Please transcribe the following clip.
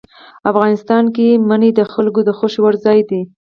افغانستان کې منی د خلکو د خوښې وړ ځای دی.